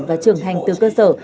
và trưởng hành từ cơ sở